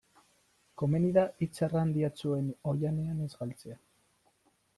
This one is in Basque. Komeni da hitz arrandiatsuen oihanean ez galtzea.